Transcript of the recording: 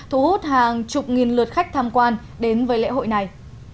thu hút hàng chục nghìn lượt khách tham quan đến với lễ hội này